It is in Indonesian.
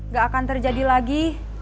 gak akan terjadi lagi